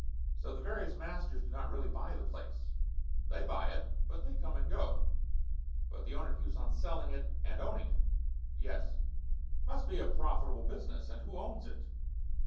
"So, the various masters do not really buy the place?" "They buy it, but they come and go." "But the owner keeps on selling it and owning it?" "Yes." "Must be a profitable business. And who owns it?"